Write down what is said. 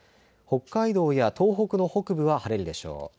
北海道や東北の北部は晴れるでしょう。